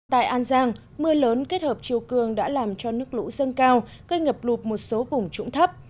tại an giang mưa lớn kết hợp chiều cường đã làm cho nước lũ dâng cao gây ngập lụt một số vùng trũng thấp